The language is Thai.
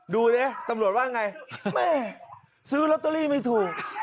ดูดิตำรวจว่าไงแม่ซื้อลอตเตอรี่ไม่ถูก